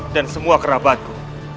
dan semua kerabatku